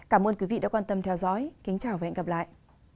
cảm ơn quý vị đã quan tâm theo dõi kính chào và hẹn gặp lại